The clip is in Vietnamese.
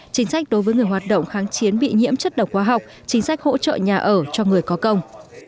chính sách đối với người hoạt động kháng chiến bị nhiễm chất độc hóa học chính sách hỗ trợ nhà ở cho người có công